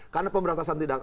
karena pemberantasan tidak